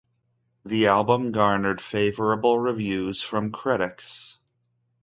The album garnered favorable reviews from critics.